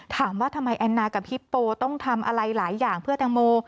ถามว่าทำไมแอนนากับฮิปโปต้องทำอะไรหลายอย่างเพื่อแตงโม